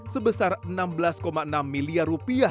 sebesar enam belas enam miliar rupiah